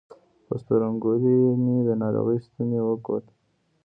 په ستونګوري مې د ناروغ ستونی وکوت